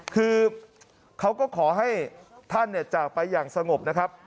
คือเขาก็ขอให้ท่านจากไปอย่างสงบนะครับ